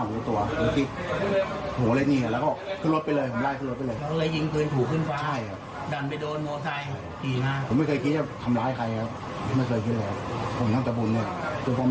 อืม